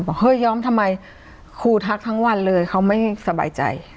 เฮ้ยย้อมทำไมครูทักทั้งวันเลยเขาไม่สบายใจ